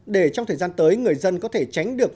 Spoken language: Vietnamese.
để trong thời gian tới người dân có thể tránh được